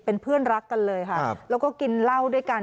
เป็นเพื่อนรักกันเลยค่ะแล้วก็กินเหล้าด้วยกัน